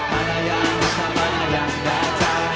mana yang disalah yang nyata